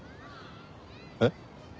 えっ？